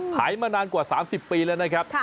มานานกว่า๓๐ปีแล้วนะครับ